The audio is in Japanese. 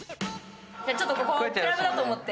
ちょっと、ここをクラブだと思って。